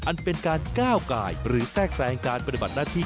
อันเป็นการก้าวกายหรือแทรกแทรงการปฏิบัติหน้าที่